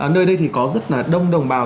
nơi đây thì có rất là đông đồng bào